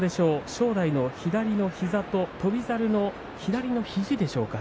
正代の左の膝と翔猿の左の肘でしょうか。